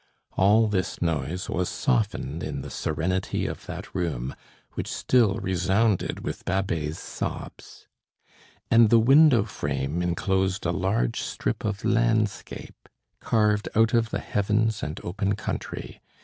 All this noise was softened in the serenity of that room, which still resounded with Babet's sobs. And the window frame enclosed a large strip of landscape, carved out of the heavens and open country.